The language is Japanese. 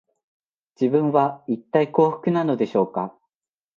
自分は、いったい幸福なのでしょうか